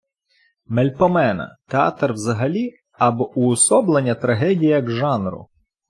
Мельпомена - театр взагалі або уособлення трагедії як жанру